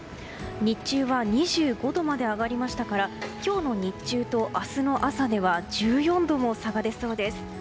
日中は２５度まで上がりましたから今日の日中と明日の朝では１４度も差が出そうです。